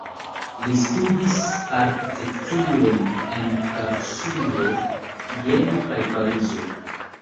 Li studis arkitekturon en Karlsruhe, Vieno kaj Parizo.